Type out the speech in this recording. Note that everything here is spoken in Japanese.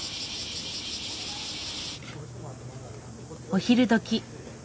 お昼どき。